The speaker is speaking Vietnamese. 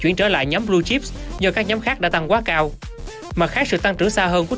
chuyển trở lại nhóm blue do các nhóm khác đã tăng quá cao mặt khác sự tăng trưởng xa hơn của